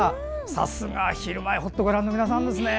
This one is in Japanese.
さすが「ひるまえほっと」ご覧の皆さんですね。